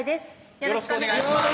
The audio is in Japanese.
よろしくお願いします